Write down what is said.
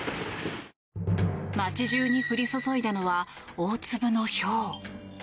街中に降り注いだのは大粒のひょう。